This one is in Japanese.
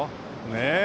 ねえ。